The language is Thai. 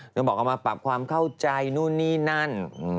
ก็บอกเอามาปรับความเข้าใจนู่นนี่นั่น